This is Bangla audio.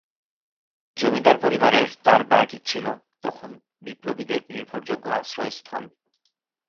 জমিদার পরিবারের তার বাড়িটি ছিলো তখন বিপ্লবীদের নির্ভরযোগ্য আশ্রয়স্থল।